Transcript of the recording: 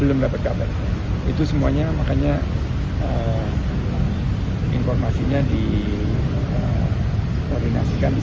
belum dapet kabar itu semuanya makanya informasinya di koordinasi